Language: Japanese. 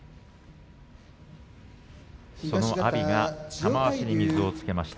その阿炎が玉鷲に水をつけました。